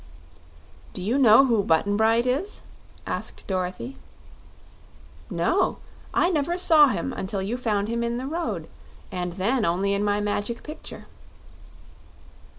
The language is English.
"Do you know who Button Bright is?" asked Dorothy. "No; I never saw him until you found him in the road, and then only in my Magic Picture."